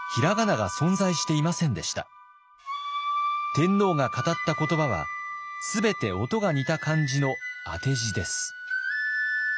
天皇が語った言葉は全て音が似た漢字の当て字です。